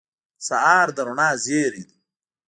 سهار د رڼا زېری دی.